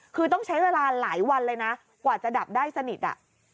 คือต้องใช้เวลาหลายวันเลยนะกว่าจะดับได้สนิทอ่ะ